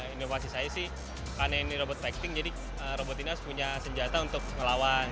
inovasi saya sih karena ini robot fighting jadi robot ini harus punya senjata untuk melawan